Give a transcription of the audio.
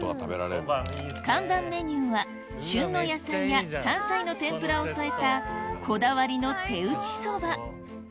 看板メニューは旬の野菜や山菜の天ぷらを添えたこだわりの手打ちそば